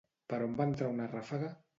Per on va entrar una ràfega?